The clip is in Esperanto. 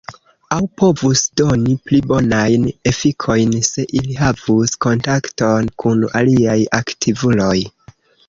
Aŭ povus doni pli bonajn efikojn, se ili havus kontakton kun aliaj aktivuloj.